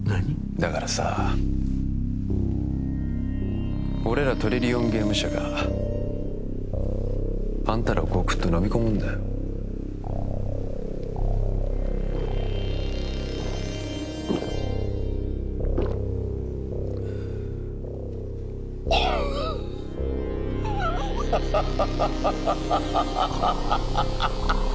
だからさ俺らトリリオンゲーム社があんたらをごくっとのみ込むんだよあっハハハ